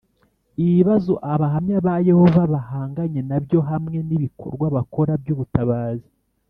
Ibibazo abahamya ba yehova bahanganye na byo hamwe n ibikorwa bakora by ubutabazi